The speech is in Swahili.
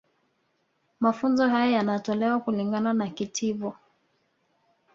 Mafunzo haya yanatolewa kulingana na kitivo